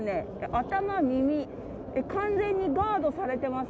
頭、耳、完全にガードされてます。